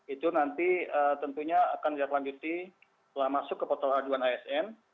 itu nanti tentunya akan dilanjuti setelah masuk ke potong aduan asn